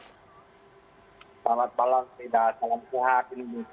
selamat malam salam sehat